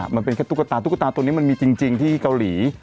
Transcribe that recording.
มันเป็นแค่ตุ๊กตาตุ๊กตาตัวนี้มันมีจริงที่เกาหลี